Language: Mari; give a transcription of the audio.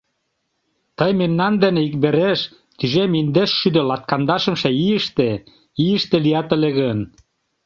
— Тый мемнан дене иквереш тӱжем индешшӱдӧ латкандашымше ийыште ийыште лият ыле гын...